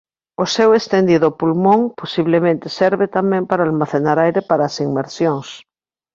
O seu estendido pulmón posiblemente serve tamén para almacenar aire para as inmersións.